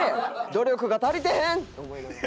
努力が足りてへんって思いながら。